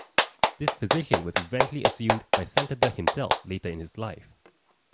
This position was eventually assumed by Santander himself later in his life.